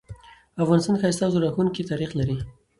افغانستان ښایسته او زړه راښکونکې تاریخ لري